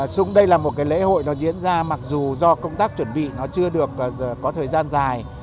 xong đây là một lễ hội nó diễn ra mặc dù do công tác chuẩn bị nó chưa được có thời gian dài